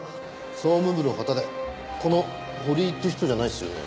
総務部の方でこの堀井っていう人じゃないですよね？